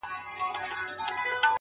ستا سومه.چي ستا سومه.چي ستا سومه.